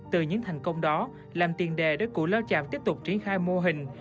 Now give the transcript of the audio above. từ những thành công đó làm tiền đề để cụ lao chạp tiếp tục triển khai mô hình